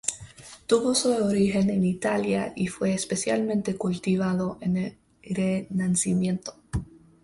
Tuvo su origen en Italia y fue especialmente cultivado en el Renacimiento.